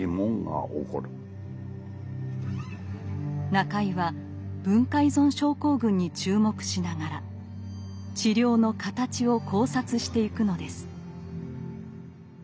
中井は文化依存症候群に注目しながら治療の形を考察してゆくのです。